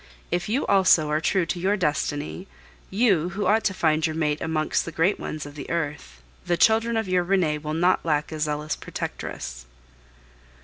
If you also are true to your destiny, you who ought to find your mate amongst the great ones of the earth, the children of your Renee will not lack a zealous protectress.